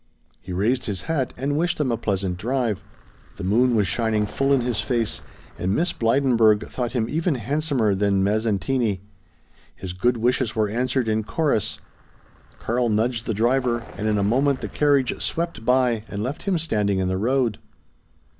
He raised his hat and wished them a pleasant drive. The moon was shining full in his face, and Miss Blydenburg thought him even handsomer than Mazzantini. His good wishes were answered in chorus, Karl nudged the driver, and in a moment the carriage swept by and left him standing in the road.